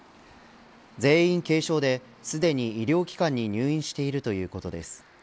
全員軽症ですでに医療機関に入院しているということです。